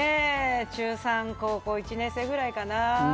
中３、高校１年生ぐらいかな。